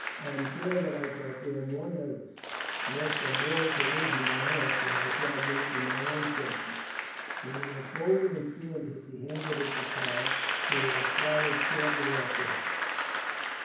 I am sure that I shall feel more nervous, lest a ball should injure my horse, than I shall do for my own safety." When he had folded and sealed this, he handed it to Karl, who had followed shortly after him.